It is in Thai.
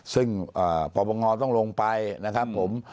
ซึ่งปปงต้องลงไปนะครับผม